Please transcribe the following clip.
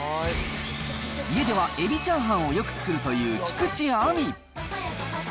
家ではエビチャーハンをよく作るという菊地亜美。